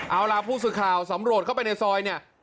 เอาล่ะผู้สื่อข่าวสำรวจเข้าไปในซอยเนี่ย